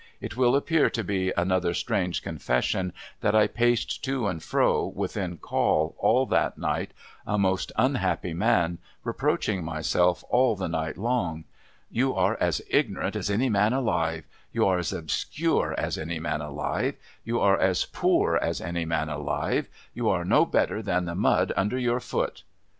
It will appear to be another strange confession, that I paced to and fro, within call, all that night, a most unhappy man, reproaching myself all the night long. ' You are as ignorant as any man alive ; you are as obscure as any man alive ; you are as poor as any man alive ; you are no better than the mud under your foot.'